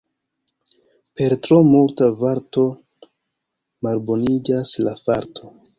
Per tro multa varto malboniĝas la farto.